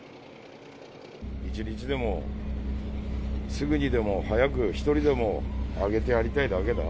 一日でも、すぐにでも早く一人でも上げてやりたいだけだ。